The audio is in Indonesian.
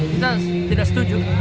kita tidak setuju